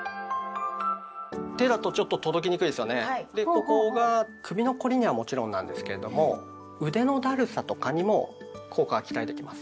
ここが首の凝りにはもちろんなんですけれども腕のだるさとかにも効果が期待できます。